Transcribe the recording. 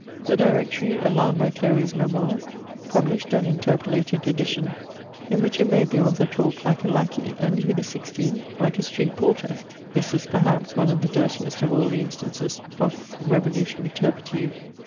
The Directory, alarmed by Cléry's Memoirs, published an interpolated edition, in which it made the author talk like a lackey and Louis XVI. like a street porter: this is, perhaps, one of the dirtiest of all the instances of revolutionary turpitude.